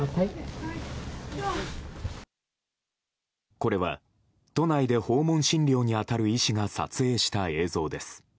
これは都内で訪問診療に当たる医師が撮影した映像です。